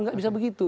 enggak bisa begitu